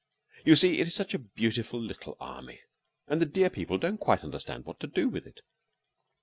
You see, it is such a beautiful little army, and the dear people don't quite understand what to do with it.